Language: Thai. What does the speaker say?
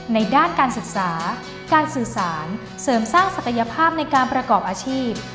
ในด้านการศึกษาการสื่อสารเสริมสร้างศักยภาพในการประกอบอาชีพ